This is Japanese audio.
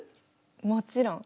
もちろん。